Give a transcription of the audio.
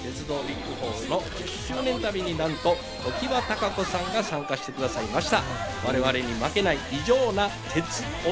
鉄道ＢＩＧ４の１０周年旅に、なんと常盤貴子さんが参加してくださいました。